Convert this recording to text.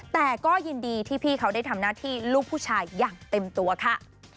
แต่ก็ยินดีที่พี่เขาได้ทำหน้าที่ลูกผู้ชายอย่างเต็มตัวค่ะ